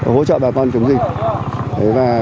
hỗ trợ bà con chúng dịch